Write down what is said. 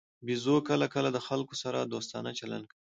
بیزو کله کله د خلکو سره دوستانه چلند کوي.